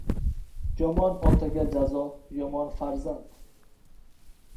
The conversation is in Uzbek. • Yomon otaga jazo ― yomon farzand.